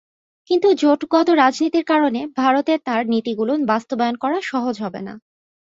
কিন্তু জোটগত রাজনীতির কারণে ভারতে তাঁর নীতিগুলো বাস্তবায়ন করা সহজ হবে না।